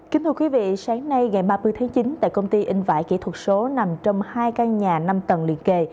kính thưa quý vị sáng nay ngày ba mươi tháng chín tại công ty in vải kỹ thuật số nằm trong hai căn nhà năm tầng liên kề